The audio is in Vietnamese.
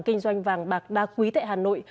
kinh doanh vàng bạc đa quý tại hà nội